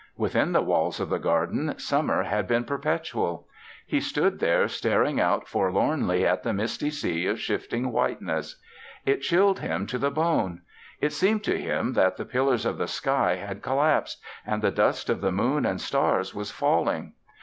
Within the walls of the garden summer had been perpetual. He stood there staring out forlornly at the misty sea of shifting whiteness. It chilled him to the bone. It seemed to him that the pillars of the sky had collapsed and the dust of the moon and stars was falling.